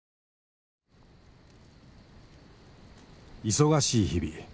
［忙しい日々。